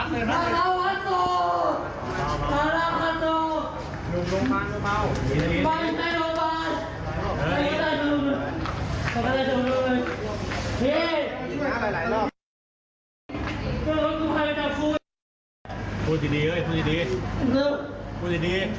พี่แล้วไปจับคู่พูดดีดีพูดดีดีพูดดีดี